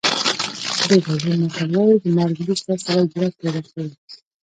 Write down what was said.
د ګابون متل وایي د مرګ وروسته سړی جرأت پیدا کوي.